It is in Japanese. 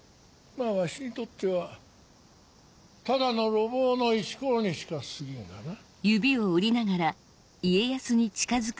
まぁわしにとってはただの路傍の石ころにしかすぎんがな。